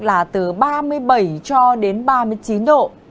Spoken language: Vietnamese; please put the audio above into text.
là từ ba mươi bảy ba mươi chín độ